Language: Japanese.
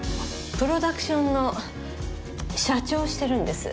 プロダクションの社長をしてるんです。